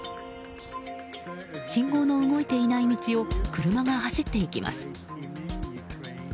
信号の動いていない道を車が走っていきます。